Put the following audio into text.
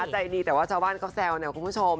ใจดีแต่ว่าชาวบ้านก็แซวนะคุณผู้ชม